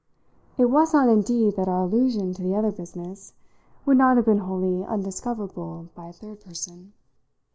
It was not indeed that our allusion to the other business would not have been wholly undiscoverable by a third person.